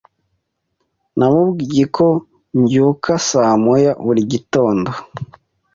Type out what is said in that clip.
Namubwiye ko mbyuka saa moya buri gitondo.